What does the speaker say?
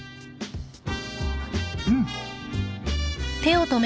うん。